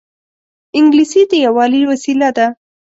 انګلیسي د یووالي وسیله ده